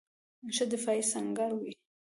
ښه دفاعي سنګر وي.